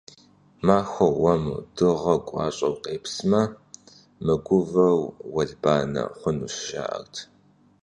Махуэр уэму дыгъэр гуащӀэу къепсмэ, мыгувэу уэлбанэ хъунущ, жаӀэрт.